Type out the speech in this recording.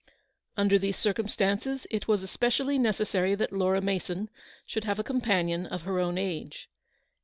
Under these circumstances it was especially necessary that Laura Mason should have a com panion of her own age.